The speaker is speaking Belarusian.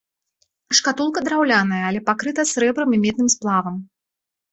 Шкатулка драўляная, але пакрыта срэбрам і медным сплавам.